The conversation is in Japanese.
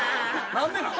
何でなん？